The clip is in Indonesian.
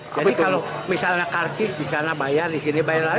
sampai lima belas ribu di sana bayar di sini bayar lagi